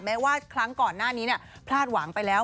แม้ว่าครั้งก่อนหน้านี้พลาดหวังไปแล้ว